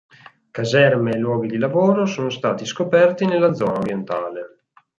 Caserme e luoghi di lavoro sono stati scoperti nella zona orientale.